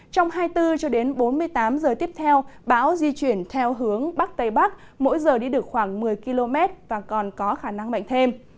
trong hai mươi bốn h cho đến bốn mươi tám h tiếp theo áp thấp nhiệt đới di chuyển theo hướng bắc tây bắc mỗi giờ đi được khoảng một mươi km và còn có khả năng mạnh thêm